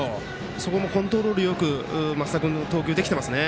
そこにコントロールよく升田君、投球できてます。